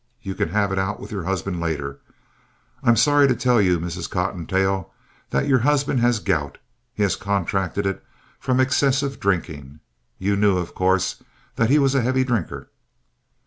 You can have it out with your husband later. I'm sorry to tell you, Mrs. Cottontail, that your husband has gout. He has contracted it from excessive drinking. You knew, of course, that he was a heavy drinker?